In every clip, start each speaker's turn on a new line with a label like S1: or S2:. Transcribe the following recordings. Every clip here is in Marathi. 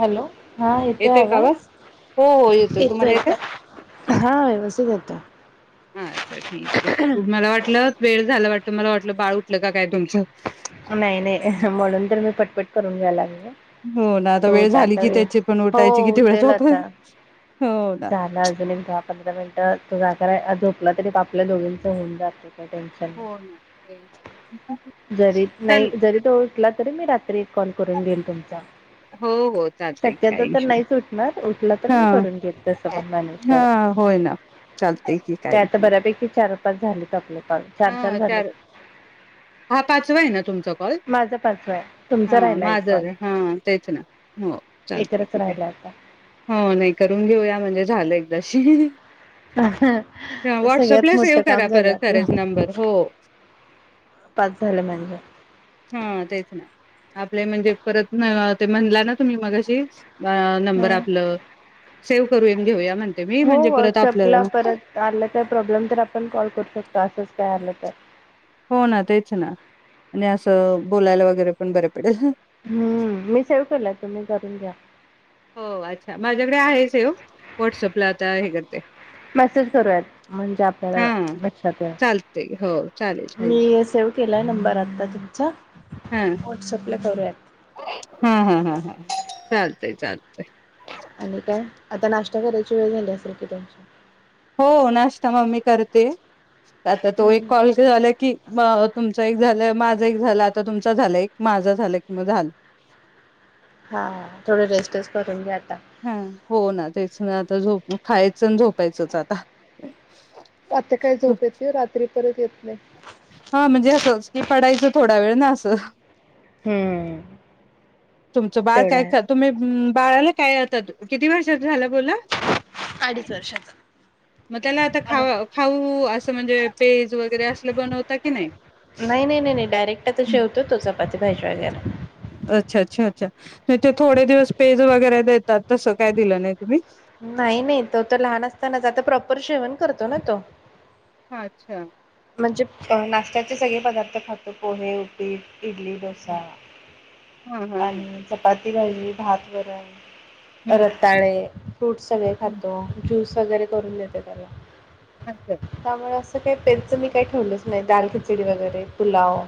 S1: हॅलो हा येतोय आवाज,
S2: हो हो येतोय
S1: येतो
S2: तुम्हाला
S1: येतोय हा व्यवस्थित ये [inaudible]
S2: हा अच्छा ठीक आहे मला वाटलं वेळ झाला वाट ते मला वाटलं बाळ उठलं का काय तुमचं
S1: अ नायी नायी म्हणून तर मी पटपट करून घ्याय लाग
S2: हो ना आता वेळ झाली की त्याची पण
S1: [unintelligible] हो
S2: उठायची किती वेळ
S1: उठेल
S2: झोप
S1: आता
S2: हो ना.
S1: झालं अजून एक धा पंधरा मिनिट तो जा खराय आज झोपला तरी त आपल्या दोघींचं होऊन जातंय
S2: हो ना तेच की
S1: नाई जरी तो उठला तरी मी रात्री एक कॉल करून देईन तुमचा
S2: हो हो चालतंय
S1: शक्यतो
S2: काही
S1: तर
S2: इशू नाही.
S1: नाहीच उठणार उठला तर मी
S2: हा
S1: करून घेत तस पण मॅनेज
S2: हा
S1: करण
S2: होय ना चालतंय की
S1: ते
S2: काही
S1: आता
S2: इशू नाही.
S1: बऱ्यापैकी चार वा पाच झालित आपलं
S2: हा चार हा पाचवाय हय न तूमचा काॅल
S1: माझा पाचवा आहे तुमचा
S2: ह‌्
S1: राहिला एक कॉल
S2: माझं ह‌् तेच ना हो चालतंय
S1: एकत्रच
S2: ठिकाय
S1: राहिला आता
S2: हो नई करून घेऊया म्हणजे झालं एक दशि ही ही
S1: अ सगळ्यात मोठं काम झालं आपलं
S2: बरं हो
S1: पाच झालं म्हणजे
S2: ह‌् तेच ना आपले म्हणजे परत ते म्हणला ना तुम्ही मगाशी आ नंबर
S1: हम्म.
S2: आपलं सेव करयुन घेऊया म्हण
S1: हो व्हॉट्सअपला परत आलं का प्रॉब्लेम तर आपण कॉल करू शकतो असच तयारल तर
S2: हो ना तेच ना आणि असं बोलायला वगैरे पण बरं पडेल.
S1: हम्म मी सेव केला तुम्ही करून घ्या
S2: हो अच्छा माझ्याकडे आहे सेव व्हॉट्सअपला आता हे कर
S1: मेसेज करूयात म्हणजे आपल्याला अ
S2: हा.
S1: लक्षात
S2: चालते हो चालेल हा
S1: मी सेव केलाय नंबर आता तूमचा व्हाट्सअप ल करूयात
S2: ह‌ ह‌ ह‌ हा चालतंय चालतय
S1: आणि काय आता नाष्टा करायची वेळ झाली असेल की तुमची
S2: हो नाष्टा मम्मी करतेय आता तो एक
S1: हम्म
S2: कॉल झाअला की म तुम च एक झालं, माझं एक झालं, आता तुमच झालं एक माझं झालं कि म झालं
S1: हा थोडं रेस्टच करून घ्या आ
S2: हा हो ना तेच ना आता झोपू खायचं अन झोपायचंच आता
S1: आता काय झोप येते, रात्री परत येत नाय
S2: हा म्हणजे असंच की पडायचं थोडा वेळ ना अस
S1: हम्म
S2: तुमचं बाळ
S1: तेवढा
S2: काय
S1: आहे.
S2: कर तुमी बाळाला काय आता तो किती वर्षात झाला बोल्ला
S1: अडीच वर्षाचा
S2: म त्याला आता खा खाऊ अस त्यो म्हणजे प
S1: नाई नई नई नई डायरेक्ट अता जेवतो तो च पाती भाजी वगैरे
S2: अच्छा च्छा च्छा च्छा नई ते थोडे दिवस पेज वगैरे देतात तसं काय दिलं नई
S1: नाई नई तो तर लहान असतानाच आता प्रॉपर जेवण करतो ना तो
S2: हा अच्छा!
S1: म्हणजे अ नाष्ट्याचे सगळे पदार्थ खातो पोहे उपीट इडली डोसा
S2: हा हा हा हम्म
S1: आणि चपा ती रायली भात वरण
S2: हम्म.
S1: रताळे, फ्रूट सगळे खातो ज्यूस स वगैरे करून देते त्याला
S2: अच्छा
S1: त्यामुळे अस [unintelligible] तर मी काय ठेवलंच नाही दाल खिचडी वगैरे पुलाव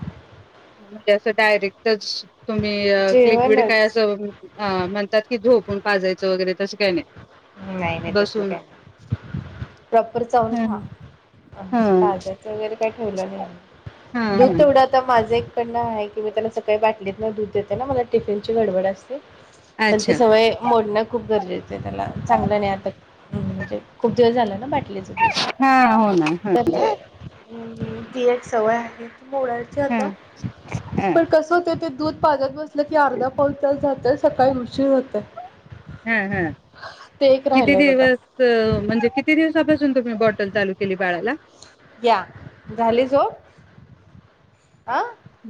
S2: मग म्हणली असं डायरेक्टच तुम्ही लिक्विड काय
S1: जेवणच
S2: असं अं म्हणतात की झोपून पाजायचं वगैरे तसं काय नाय
S1: नाय नाय तसलं काय नाय प्रॉपर चाऊन
S2: हा
S1: खा
S2: हा
S1: पाजायचं वगैरे काय ठेवलं नाय दूध
S2: हा
S1: तेवढ आता माझं एक न्हाय मी त्याला सकाळी बाटलीत मग दूध देताना मला टिफिन ची गडबड असते पण
S2: अच्छा
S1: ती सवय मोडणं खूप गरजेचं हायं त्याला चांगलं नाय आता म्हणजे खूप दिवस झाले ना
S2: हा हो ना
S1: [unintelligible]
S2: ह
S1: तरी अम्, ती एक सवय आहे मोडायचंय
S2: ह
S1: आता
S2: ह
S1: पण कस होतय ते दूध पाजत बस म्हटलं की अर्धा पाउन तास जा तर सकाळी उशीर होतोय
S2: हा हा किती
S1: राहिलंय बघा
S2: दिवस? म्हणजे किती दि कशापासून तुम्ही बॉटल चालू केली बाळाला?
S1: या झाली झोप आ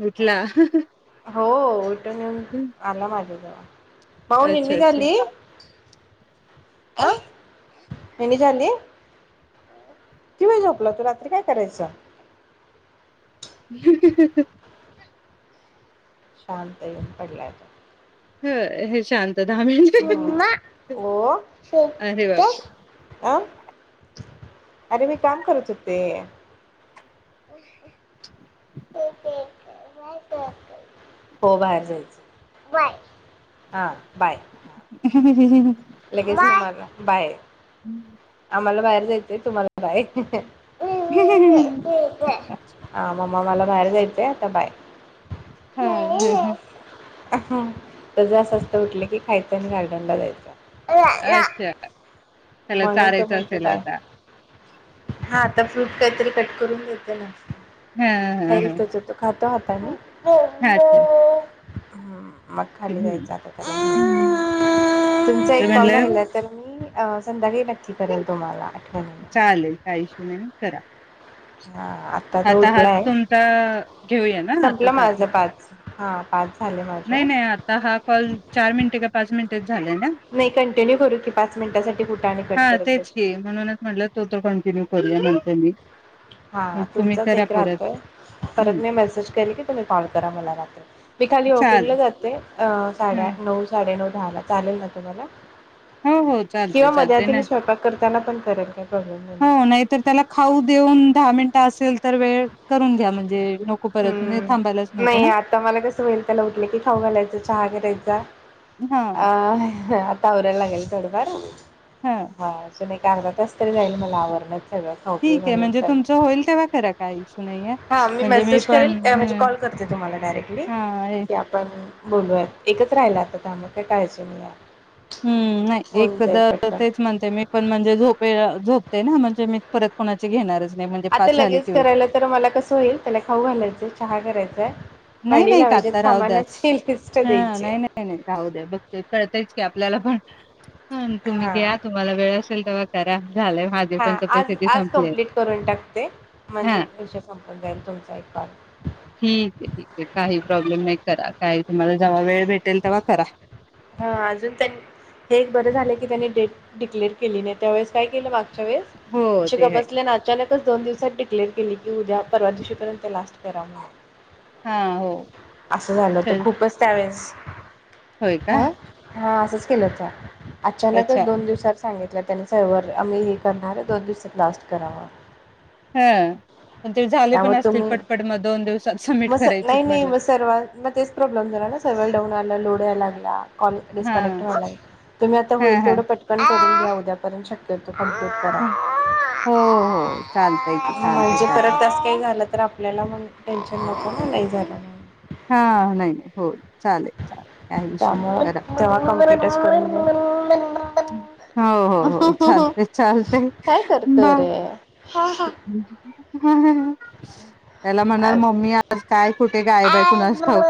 S2: उठला हं हं
S1: हो उठून येेऊन आला माझ्याजवळ माऊ
S2: अच्छा
S1: निन्नी
S2: अच्छा
S1: झाली आ निन्नी झाली किती वेळ झोपला तू रात्री काय करायचा
S2: [inaudible]
S1: शांत येऊन पडलाय तो
S2: हु हे शां
S1: मम्मा ओ
S2: अरे
S1: शेतय
S2: बापरे
S1: अं अरे मी काम करत हुते [inaudible] हो बाहेर जायचं बाय हा बाय
S2: हुं हुं हूहुहूं
S1: लगेच तुम्हाला बाय, बाय आम्हाला बाहेर जायचंय तुम्हाला पण बाय
S2: [inaudible]
S1: मग मला बाहेर जायच आता बाय
S2: हा ह ह
S1: हा त्याच असं असतं की उठलं की खायचं आणि गार्डनला जायचं
S2: अच्छा, त्याला
S1: म्हणून
S2: चाराय
S1: तो म्हणतो
S2: चालतय ना
S1: बाय
S2: आता?
S1: हा आता फ्रूट काहीतरी कट करून देते ना
S2: हा् हा
S1: खाईल
S2: हा
S1: त्याच्या तो हात हाय ना हो
S2: हा ठेव
S1: हा मग खाली जायचं
S2: हम्म.
S1: [unintelligible] तुमचा
S2: ते
S1: एक कॉल
S2: म्हणलं
S1: राहिला तर मी अ संध्याकाळी बा
S2: चालेल काय इशू नाही करा
S1: हा तो
S2: आता हा
S1: उठलाय
S2: तुमचा घेऊया ना
S1: संपलं
S2: [unintelligible]
S1: माझं पाच. हा पाच झाले
S2: नाही
S1: माझे.
S2: नाही आता हा कॉल चार मिनटे का पाच मिनिट झालाय ना
S1: नाही कंटिन्यू करू की पाच मिनिटासाठी कुठं आणि कट
S2: हा
S1: करत
S2: तेच
S1: बसू.
S2: की म्हणूनच म्हटलं तो तर कंटिन्यू करू [unintelligible]
S1: हा तुमचाच एक राहतोय, परत
S2: हम्म
S1: मी मेसेज करीन की तुम्ही कॉल करा मला रा- मी खाली
S2: चालेल
S1: वाॅकिंगला जाते अ
S2: ह
S1: साडेआठ नऊ साडेनऊ दहाला चालेल ना तुम्हाला?
S2: हो हो चालतय
S1: किंवा मध्ये
S2: चालतय
S1: आधी
S2: ना
S1: मी स्वयंपाक करताना पण करेल काही प्रॉब्लेम नाही
S2: हो
S1: मला
S2: नाहीतर त्याला खाऊ देऊन दहा मिनिटं असेल तर वेळ करून घ्या म्हणजे नको परत म्हणजे थांबायलाच
S1: हम्म
S2: नको
S1: नाही
S2: ना
S1: आता मला कसं होईल त्याला उठलं की खाऊ घालायचं चहा करायचा
S2: हा
S1: अ आता आवर त्या वेळेला लागलेलं थोडंफार हा अजून एक अर्धा तास तरी जाईल मला आवरण्यात सगळं खाऊ पिऊ
S2: ठीके
S1: घालून
S2: म्हणजे
S1: त्याला
S2: तुमचं होईल तेव्हा करा काय इशू नाहीए
S1: हा
S2: म्हणजे मी
S1: मेसेज
S2: पण
S1: करेल ऍ म्हणजे
S2: हं
S1: कॉल करते तुम्हाला डायरेक्टली
S2: हा
S1: की आपण बोलूया एकच राहिला आता त्यामुळे काय काळजी नाहीये
S2: हम्म नाही एकदा तेच म्हणते मी पण म्हणजे झोपेला झोप ते ना म्हणजे मी परत कोणाची घेणारच नाही म्हणजे
S1: आता
S2: पाच झाली
S1: लगेच
S2: की
S1: करायला तर मला कसं होईल त्याला खाऊ घालायचं, चहा कराय
S2: नाही, नाही का आता राहू द्याच
S1: लिस्ट
S2: हा
S1: द्यायची
S2: नाही,
S1: आहे
S2: नाही, नाही राहू द्या बघते कळतयच की आ आपल्याला पण ह तुम्ही
S1: हा
S2: घ्या तुम्हाला वेळच होतील तवा करा झालंय माझे
S1: हा
S2: पण
S1: आज,
S2: कपॅसिटी
S1: आज
S2: संपले
S1: कंप्लीट करून टाकते म्हणजे
S2: हा
S1: विषय संपून जाईल तुमचा एक काॅल
S2: ठीक आहे, ठीक आहे काही प्रॉब्लेम नाही करा काही तुम्हाला जेव्हा वेळ भेटेल तेव्हा खरा
S1: हा अजून त्यां हे एक बरं झालं की त्यांनी डेट डिक्लेअर केली नाही त्यावेळेस काय केल मागच्या वेळेस
S2: हो
S1: अशी
S2: ते
S1: गप
S2: आहे
S1: बसले आणि अचानकच दोन दिवसात डिक्लेर केली की उद्या परवा दिवशीपर्यंत लास्ट करा मग
S2: हा, हो
S1: असं झालं होतं
S2: चल
S1: खूपच त्यावेळेस
S2: होय का?
S1: हा हा असंच केल जा
S2: अच्छा
S1: अचानकच दोन दिवसांत सांगित तर त्यांनी [unintelligible] आम्ही हे करणार आहे दोन दिवसात लास्ट करावा
S2: हम्म
S1: अहो तुम्ही
S2: दिवसात सबमिट
S1: मग
S2: करायचे
S1: नाही, नाही
S2: म्हटलं.
S1: मग सर्वा मग तेच प्रॉब्लेम झाला ना सरवर डाऊन आला लोड होया लागला कॉल
S2: हां.
S1: डिस्कनेक्ट व्हायलाय तुम्ही आता
S2: हां,
S1: होईल
S2: हां.
S1: तेवढं पटकन करून घ्या उद्यापर्यंत शक्यत कमप्लीट करा
S2: हो, हो चालतंय की चालतंय
S1: म्हणजे
S2: काय नाही.
S1: परत ते काही झालं तर आपल्याला मग टेन्शन नको ना नाही झालं म्हणून
S2: हा नाही, नाही हो चालेल, चालेल काय इशू नाही
S1: त्यामुळं
S2: करा
S1: [unintelligible]
S2: हो, हो, हो चाललय, चालतय
S1: काय करतोय
S2: बाय त्याला म्हणाल
S1: अजुन
S2: मम्मी आज काय कुठे गायब आहे कुणास ठाऊक.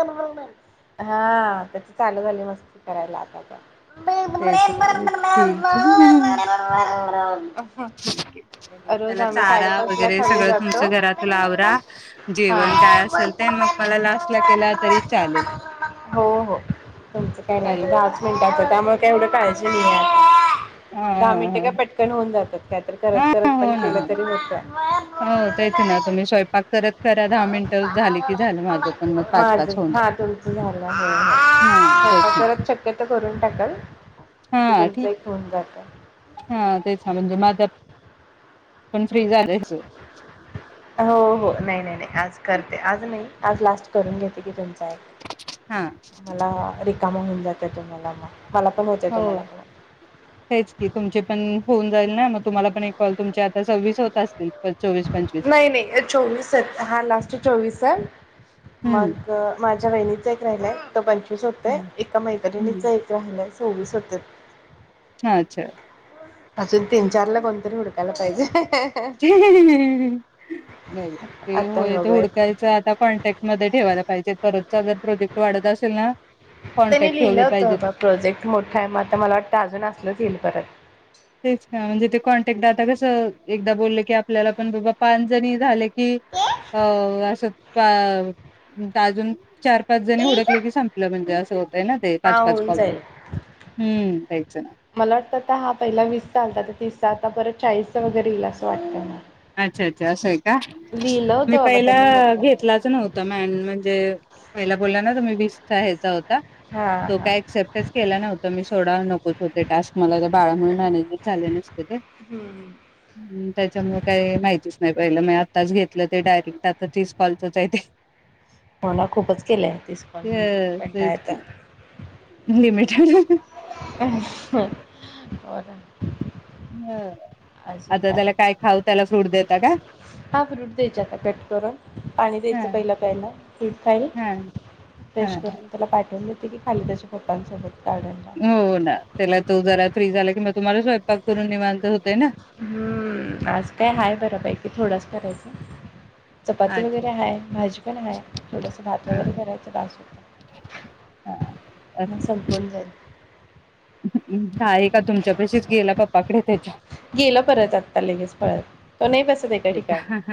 S1: हा त्याची चालू झाले मस्ती करालाय आता त्या
S2: तेच [unintelligible]
S1: रोज
S2: त्याला
S1: आम्ही
S2: चारा
S1: साडेपाच ला
S2: वगैरे
S1: खाली
S2: सगळं तुमच
S1: जातो.
S2: घरात चला आवरा
S1: हा.
S2: जेवण काय असेल ते मग मला लास्ट ला केला तरी चालेल
S1: हो हो तुमचं काही नाही
S2: ताई
S1: दहाच आता त्यामुळे काही एवढं काही काळजी नाही
S2: हा
S1: दहा
S2: हा
S1: मिनिटे काय पटकन होऊन जातात काय करत
S2: हा
S1: करत
S2: हा
S1: पण
S2: हो ना
S1: केलं तरी होतं
S2: हो तेच ना तुम्ही स्वयंपाक करत करा दहा मिनटं झाली की झालं माझ पण मग पाच
S1: माझ
S2: पाच होऊन जात
S1: हा तुमचं झालं हो
S2: हा
S1: हो
S2: तेच
S1: स्वयंपाक
S2: ना
S1: करत शक्यतो करून टाकाल म्हणजे
S2: हा
S1: तुमचं
S2: ठीक
S1: एक होऊन जातं
S2: हा तेच ना म्हणजे माझ पण फ्री झालं [inaudible] ह [inaudible]
S1: हो हो नाही नाही नाही आज करते आज नाही आज लास्ट करून घेते की त्यान चं
S2: हा
S1: [inaudible] मला रिकाम होऊन जात [inaudible] तुम्हाला [inaudible] होते
S2: हो
S1: तुम्हाला पण
S2: हेच की तुमचे पण होऊन जाईल ना मग तुम्हाला पण एक कॉल तुमच्या आता सहविस होत असतील चोवीस पंचवीस
S1: नाही नाही चोवीसयत हा लास्ट चोवीसय
S2: हम्म
S1: मग माझ्या वहिणीच आता एक राहिलंय पंचवीस होते एका
S2: हम्म
S1: मैत्रिणीचा एक राहिलाय चोवीस होतेत
S2: ह अच्छा
S1: अजून
S2: ठीक
S1: तीन चार ला कोणतरी हुडकायचं त्याला पाहिजे [inaudible]
S2: [inaudible] ते
S1: आता
S2: होय ते
S1: बघूया
S2: हुडकायचे आता कॉन्टॅक्ट मध्ये ठेवायला पाहिजे परत सगळ्या प्रोजेक्ट वाढत असेल ना
S1: त्यानी
S2: कॉन्टॅक्ट
S1: लिहिलं
S2: ठेवले
S1: होत
S2: पाहिजेत
S1: बा प्रोजेक्ट मोठा आहे मग आता मला वाटतं अजून असलंच येईल परत
S2: तेच का म्हणजे ते कॉन्टॅक्ट [inaudible] कसं एकदा बोललं की आपल्याला पण बाबा पांच जणी झाले कि अ असं [inaudible] अजून चार पाच जणी हुडकलं की संपलं म्हणजे हो [inaudible] ना ते
S1: हा
S2: पाच पाच
S1: होऊन
S2: कॉल
S1: जाईल.
S2: हम्म [inaudible]
S1: मला वाटतं आता हा पहिला वीस चालता तीसचा आता परत चाळीसचा वगैरे येईल असं वाटतं मला
S2: अच्छा अच्छा असय का
S1: लिहिलं
S2: [inaudible] मी
S1: होतं बाबा
S2: पहिला
S1: त्यांनी मोठं.
S2: घेतलाच नव्हता मॅडमनी [inaudible] ते तुम्ही पहिला बोलला ना वीसचा होता [inaudible]
S1: हा
S2: तो
S1: हा
S2: काय अक्सेप्टच केला नव्हता मी सोडा नकोच होते टास्क मला बाळामुळे मॅनेजच झाले नसते ते त्याच्यामुळे माहितीच नाही पाहिल नाही आताच घेतलं ते डायरेक्ट आता तीस कॉलच च आहे ते.
S1: मना खूपच केलय दिसकॉन म्हणजे कंटाळा
S2: तेच
S1: येतय.
S2: लिमिटेड हंह
S1: अं हं होय
S2: हम्
S1: अजून काय नाही
S2: देता का
S1: हा फ्रूट द्यायचे आता कट करून, पाणी
S2: हा
S1: द्यायचं पहिला प्यायला फ्रूट खाईल
S2: हा
S1: फ्रेश
S2: हा
S1: करून त्याला पाठवून दे ते काय खाली त्याच्या पप्पासोबत
S2: हो ना त्याला तो जरा फ्री झाला कि मग तुम्हाला स्वयंपाक करून निवांत होतय ना.
S1: हम्म आज काय हाय बऱ्या पैकी थोडाच करायचा हाय. चपाती
S2: अच्छा
S1: वगैरे हाय भाजी पण हाय थोडस भात
S2: हा
S1: वगैरे करायच बास
S2: हा
S1: होतंय मग संपून जाईल.
S2: आहे का तुमच्यापशीच? गेला पप्पाकडे त्याच्या.
S1: गेला परत आत्ता लगेच पळत. तो नाही बसत एका ठिकाणी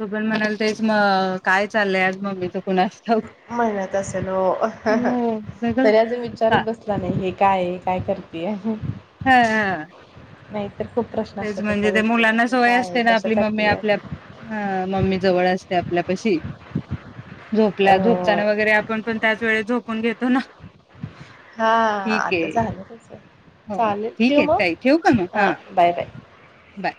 S2: ण मणा [inaudible] तेच म काय चाललंय आज मम्मीच? कुणास ठाऊक
S1: म्हणत असेल ओ
S2: सगळं
S1: तरी अजून
S2: हा
S1: विचारत बसला नाही हे काय आहे? काय करतीये?
S2: हा
S1: नाहीत
S2: तेच म्हणजे ते मुलांना सवय
S1: काय आहे
S2: असते ना आपली मम्मी
S1: कशासाठी
S2: आपल्या
S1: आहे
S2: आ मम्मी जवळ अस ते आपल्यापशी झोपल्या. झोपताना
S1: अ
S2: वगैरे आपण पण त्याच वेळे झोप फोन घेतो ना.
S1: हा
S2: ठीक
S1: आता
S2: आहे
S1: झालं तस
S2: हो
S1: चालेल
S2: ठीक
S1: ठेव
S2: आहे
S1: मग.
S2: ताई ठेवू का मग
S1: हा बाय-बाय
S2: बाय